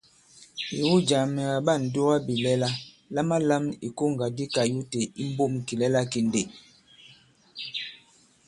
Ìwu jǎ, mɛ̀ kàɓa ǹdugabìlɛla, lamalam ìkoŋgà di kayute i mbǒm kìlɛla ki ndê.